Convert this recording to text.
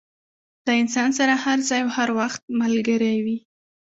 له انسان سره هر ځای او هر وخت ملګری وي.